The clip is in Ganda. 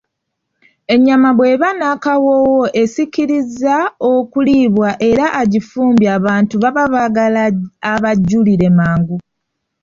Ennyama bw'eba n'akawoowo esikiriza okuliibwa era agifumbye abantu baba baagala abajjulire mangu.